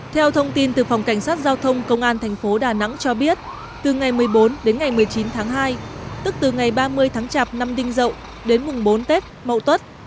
theo thông tin từ phòng cảnh sát giao thông công an thành phố đà nẵng cho biết từ ngày một mươi bốn đến ngày một mươi chín tháng hai tức từ ngày ba mươi tháng chạp năm đinh dậu đến mùng bốn tết mậu tuất